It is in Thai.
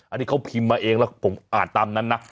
อันนี้เขาพิมพ์มาเองแล้วผมอ่านตามนั้นนะ